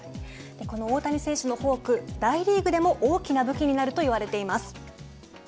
この大谷選手のフォーク大リーグでも大きな武器になると言われています。